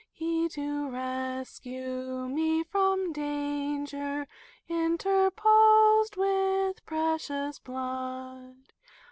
He, to res cue me from dan ger. In terposed with precious blood.